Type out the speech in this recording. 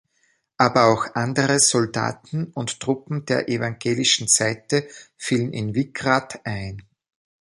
Aber auch andere Soldaten und Truppen der evangelischen Seite fielen in Wickrath ein.